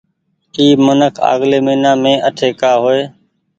اي منک آگلي مهينآ مين اٺي ڪآ هو ئي۔